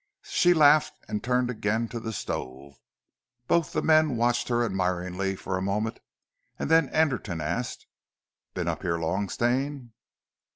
She laughed and turned again to the stove. Both the men watched her admiringly for a moment, and then Anderton asked: "Been up here long, Stane?"